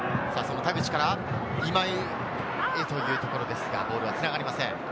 田口から今井へというところですが、ボールはつながりません。